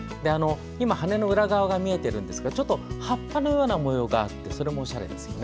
羽の裏側が見えてるんですがこの葉っぱのような模様があっておしゃれですよね。